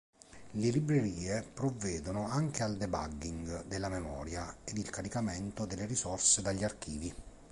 Le librerie provvedono anche debugging della memoria ed il caricamento delle risorse dagli archivi.